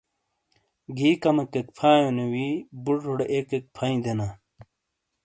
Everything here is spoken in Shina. گھی کیمیکیک فائیونی وی بُٹوڑے ایک ایک فائیں دینا۔